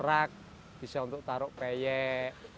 saya bisa mengerak bisa untuk taruh peyek